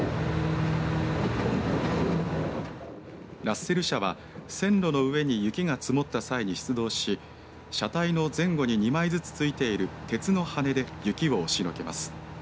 ラッセル車は線路の上に雪が積もった際に出動し車体の前後に２枚ずつ付いている鉄の羽根で雪を押しのけます。